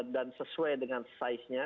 dan sesuai dengan saiznya